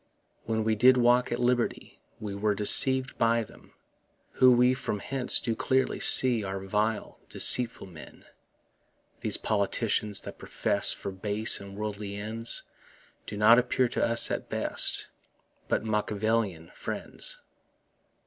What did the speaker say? When we did walk at liberty We were deceiv'd by them, Who we from hence do clearly see Are vile, deceitful men. These politicians that profess For base and worldly ends, Do not appear to us at best But Machiavellian friends.